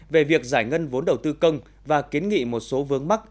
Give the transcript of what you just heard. về việc giải ngân vốn đầu tư công và kiến nghị một số vướng mắt